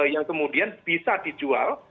yang kemudian bisa dijual